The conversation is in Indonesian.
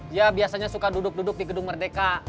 dia biasanya suka duduk duduk di gedung merdeka